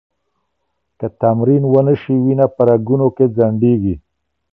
که تمرین ونه شي، وینه په رګونو کې ځنډېږي.